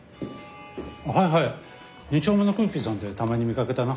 はいはい２丁目のクーピーさんでたまに見かけたな。